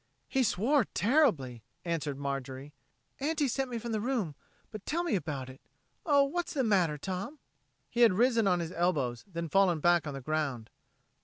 "He swore terribly," answered Marjorie. "Aunty sent me from the room. But tell me about it. Oh, what's the matter, Tom?" He had risen on his elbows, then fallen back on the ground.